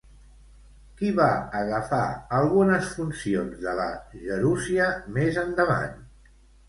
Qui va agafar algunes funcions de la gerúsia més endavant?